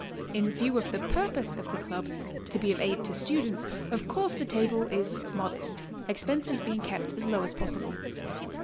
In view of the purpose of the Club, to be of aid to students, of course the table is modest, expenses being kept as low as possible.